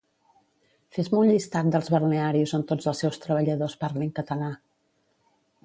Fes-me un llistat dels balnearis on tots els seus treballadors parlin català